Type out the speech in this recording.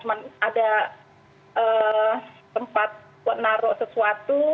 cuma ada tempat buat naruh sesuatu